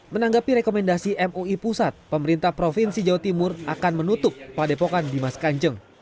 menanggapi rekomendasi mui pusat pemerintah provinsi jawa timur akan menutup padepokan dimas kanjeng